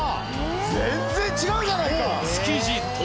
「全然違うじゃないか！」